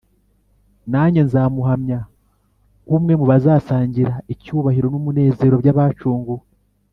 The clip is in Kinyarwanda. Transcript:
nanjye nzamuhamya nk’umwe mu bazasangira icyubahiro n’umunezero by’abacunguwe